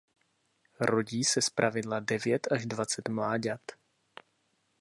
Rodí se zpravidla devět až dvacet mláďat.